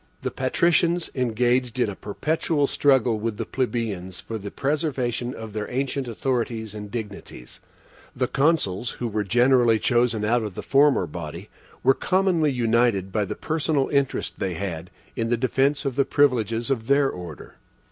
The patricians engaged in a perpetual struggle with the plebeians for the preservation of their ancient authorities and dignities; the Consuls, who were generally chosen out of the former body, were commonly united by the personal interest they had in the defense of the privileges of their order.